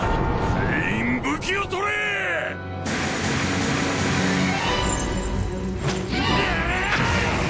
全員武器を取れ‼うらぁ！